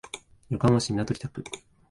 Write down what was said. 横浜市港北区